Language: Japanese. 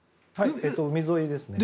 海沿いですね。